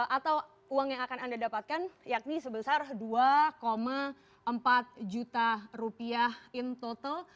atau uang yang akan anda dapatkan yakni sebesar dua empat juta rupiah in total